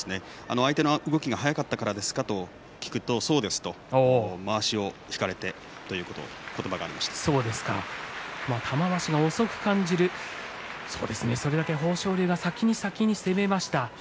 相手の動きが速かったからですか？と聞くと、そうですと。まわしを引かれてという玉鷲が遅く感じるそれだけ豊昇龍が先に先に攻めました。